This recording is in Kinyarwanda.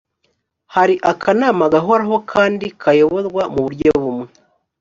hari akanama gahoraho kandi kayoborwa mu buryo bumwe